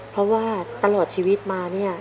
เพราะว่าตลอดชีวิตมาเนี่ย